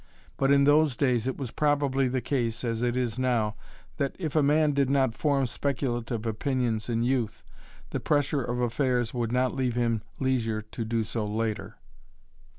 But in those days it was probably the case, as it is now, that, if a man did not form speculative opinions in youth, the pressure of affairs would not leave him leisure to do so later.